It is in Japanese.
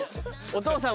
お姉さん。